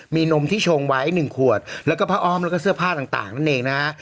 มีนมที่ชงไว้๑ขวดแล้วก็ผ้าอ้อมแล้วก็เสื้อผ้าต่างนั่นเองนะฮะ